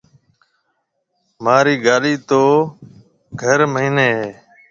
مهارِي گاڏِي تو گهر مئينَي هيَ۔